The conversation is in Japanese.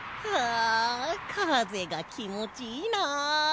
あかぜがきもちいいなあ。